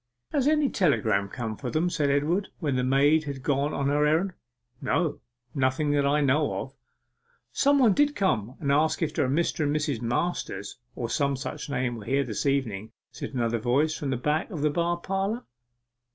'Has any telegram come for them?' said Edward, when the maid had gone on her errand. 'No nothing that I know of.' 'Somebody did come and ask if a Mr. and Mrs. Masters, or some such name, were here this evening,' said another voice from the back of the bar parlour.